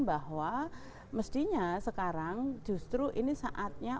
bahwa mestinya sekarang justru ini saatnya